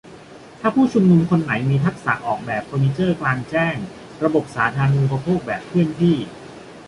ถ้าผู้ชุมนุมคนไหนมีทักษะออกแบบเฟอร์นิเจอร์กลางแจ้ง-ระบบสาธารณูปโภคแบบเคลื่อนที่